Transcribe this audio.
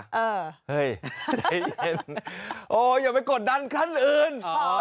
เฮ้ยใจเย็นโอ้อย่าไปกดดันขั้นอื่น